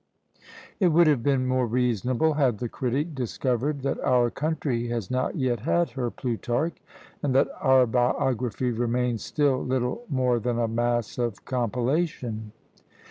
It would have been more reasonable had the critic discovered that our country has not yet had her Plutarch, and that our biography remains still little more than a mass of compilation.